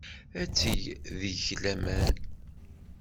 Ad teg deg-k laman.